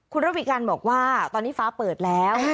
คุณระวิกันบอกว่าตอนนี้ฟ้าเปิดแล้ว